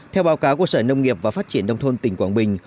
theo báo cáo của sở nông nghiệp và phát triển đông thôn tỉnh quảng bình